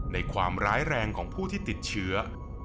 ในความร้ายแรงของผู้ที่ติดเชื้อ